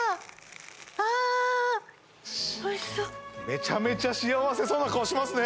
ああおいしそうめちゃめちゃ幸せそうな顔しますね